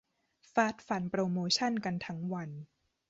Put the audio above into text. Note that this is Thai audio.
ฟาดฟันโปรโมชั่นกันทั้งวัน